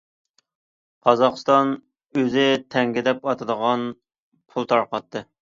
قازاقىستان ئۆزى« تەڭگە» دەپ ئاتىلىدىغان پۇل تارقاتتى.